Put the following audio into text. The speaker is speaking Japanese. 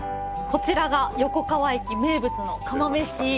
こちらが横川駅名物の釜めし。